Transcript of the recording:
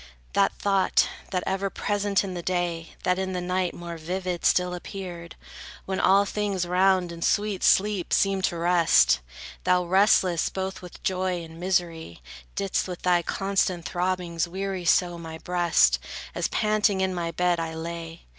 That thought, that ever present in the day, That in the night more vivid still appeared, When all things round in sweet sleep seemed to rest: Thou, restless, both with joy and misery Didst with thy constant throbbings weary so My breast, as panting in my bed I lay.